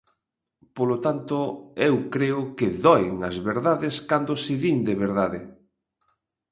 Polo tanto, eu creo que doen as verdades cando se din de verdade.